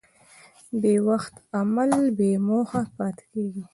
بېوخت عمل بېموخه پاتې کېږي.